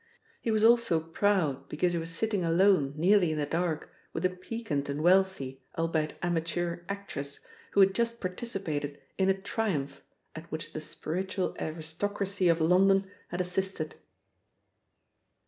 He was also proud because he was sitting alone nearly in the dark with a piquant and wealthy, albeit amateur, actress who had just participated in a triumph at which the spiritual aristocracy of London had assisted.